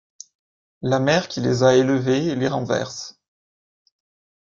La mer qui les a élevés, les renverse.